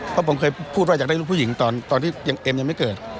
เพราะผมเคยพูดว่าอยากได้ลูกผู้หญิงตอนที่ยังเอ็มยังไม่เกิด